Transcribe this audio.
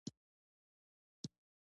یو ښاري موږک د کلي موږک خپل کور ته بوت.